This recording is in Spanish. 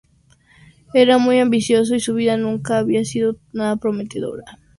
Era muy ambicioso, y su vida nunca había sido nada prometedora.